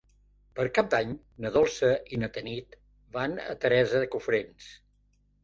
Per Cap d'Any na Dolça i na Tanit van a Teresa de Cofrents.